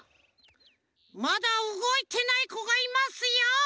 まだうごいてないこがいますよ！